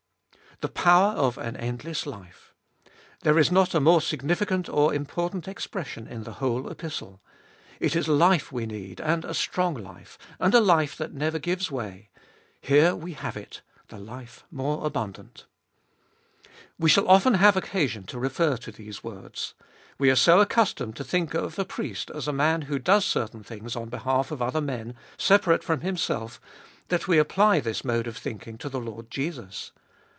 1. The power of an endless life. There is not a more significant or important expression in the whole Epistle. It is life we need, and a strong life, and a life that never gives way, Here we have it— the life more abundant, 2. We shall often have occasion to refer to these words. We are so accustomed to think of a priest as a man who does certain things on behalf of other men, separate from himself, that we apply this mode of thinking to the Lord Jesus.